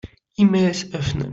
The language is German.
E-Mails öffnen.